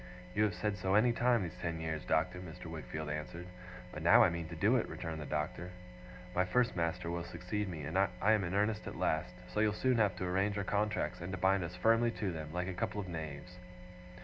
'You have said so, any time these ten years, Doctor,' Mr. Wickfield answered. 'But now I mean to do it,' returned the Doctor. 'My first master will succeed me I am in earnest at last so you'll soon have to arrange our contracts, and to bind us firmly to them, like a couple of knaves.